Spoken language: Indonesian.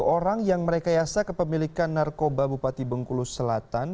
sepuluh orang yang merekayasa kepemilikan narkoba bupati bengkulu selatan